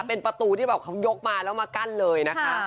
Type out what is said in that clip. เป็นประตูที่แบบเขายกมาแล้วมากั้นเลยนะคะ